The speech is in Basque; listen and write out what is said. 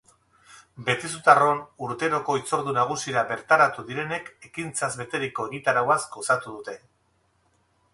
Betizutarron urteroko hitzordu nagusira bertaratu direnek ekintzaz beteriko egitarauaz gozatu dute.